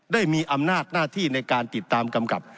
ได้มีอำนาจหน้าที่ในการติดตามกำกับ